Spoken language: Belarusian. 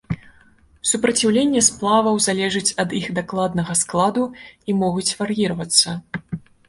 Супраціўленне сплаваў залежаць ад іх дакладнага складу і могуць вар'іравацца.